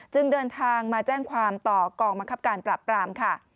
จึงเดินทางมาแจ้งความต่อกองมันครับการปรับปราม